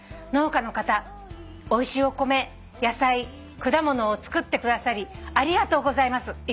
「農家の方おいしいお米野菜果物を作ってくださりありがとうございます」